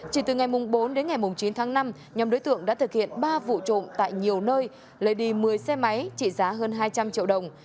chỉ từ ngày bốn đến ngày chín tháng năm nhóm đối tượng đã thực hiện ba vụ trộm tại nhiều nơi lấy đi một mươi xe máy trị giá hơn hai trăm linh triệu đồng